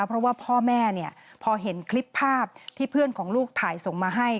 เพราะว่าพ่อแม่เนี่ยพอเห็นคลิปภาพที่เพื่อนของลูกถ่ายส่งมาให้